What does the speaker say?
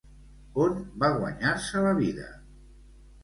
On va guanyar-se la vida?